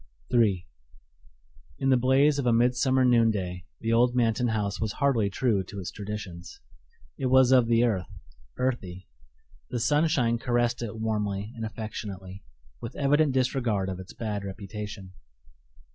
III In the blaze of a midsummer noonday the old Manton house was hardly true to its traditions. It was of the earth, earthy. The sunshine caressed it warmly and affectionately, with evident disregard of its bad reputation.